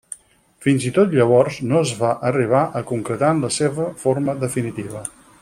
Fins i tot llavors no es va arribar a concretar en la seva forma definitiva.